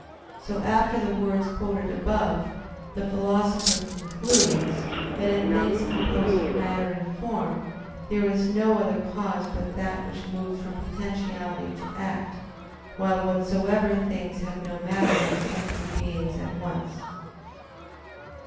So after the words quoted above, the Philosopher concludes, that in things composed of matter and form "there is no other cause but that which moves from potentiality to act; while whatsoever things have no matter are simply beings at once."